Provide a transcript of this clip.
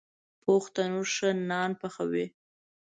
پوخ تنور ښه نان پخوي